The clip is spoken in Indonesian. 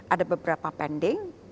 ada beberapa pending